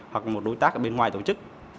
hoặc một đối tác ở bên ngoài tổ chức